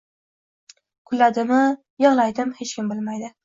Kuladimi, yig‘laydimi hech kim bilmaydi.